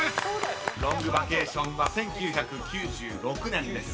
［『ロングバケーション』は１９９６年です］